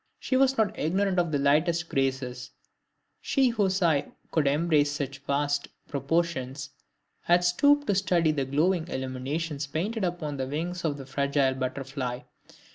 She was not ignorant of the lightest graces; she whose eye could embrace such vast proportions, had stooped to study the glowing illuminations painted upon the wings of the fragile butterfly.